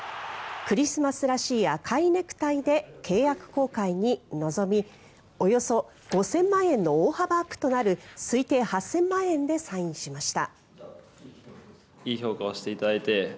クリスマスらしい赤いネクタイで契約更改に臨みおよそ５０００万円の大幅アップとなる推定８０００万円でサインしました。